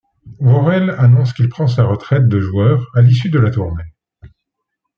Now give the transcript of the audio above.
Worrell annonce qu'il prend sa retraite de joueur à l'issue de la tournée.